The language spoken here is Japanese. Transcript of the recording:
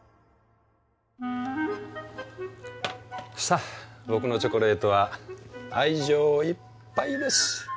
さあ僕のチョコレートは愛情いっぱいです。